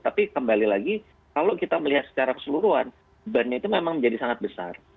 tapi kembali lagi kalau kita melihat secara keseluruhan bebannya itu memang menjadi sangat besar